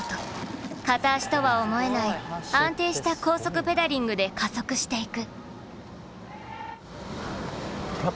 片足とは思えない安定した高速ペダリングで加速していく。